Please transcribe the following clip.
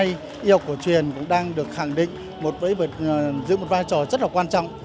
y học cổ truyền cũng đang được khẳng định giữ một vai trò rất quan trọng